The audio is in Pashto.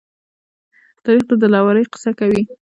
تاریخ د دلاورۍ قصه کوي.